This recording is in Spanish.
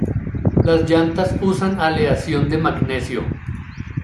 Las llantas usan aleación de magnesio.